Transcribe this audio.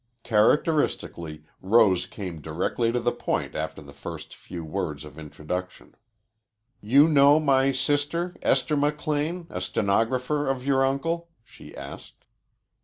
Characteristically, Rose came directly to the point after the first few words of introduction. "You know my sister, Esther McLean, a stenographer of your uncle?" she asked.